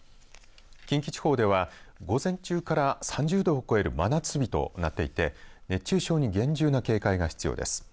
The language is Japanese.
近畿地方では午前中から３０度を超える真夏日となっていて熱中症に厳重な警戒が必要です。